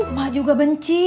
emak juga benci